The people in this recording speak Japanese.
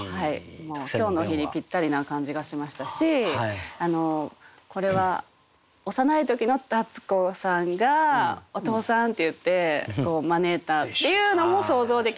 もう今日の日にぴったりな感じがしましたしこれは幼い時の立子さんがお父さんって言って招いたっていうのも想像できます